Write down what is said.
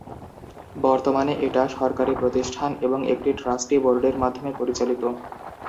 বর্তমানে এটা সরকারি প্রতিষ্ঠান এবং একটি ট্রাস্টি বোর্ডের মাধ্যমে পরিচালিত।